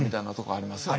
あります。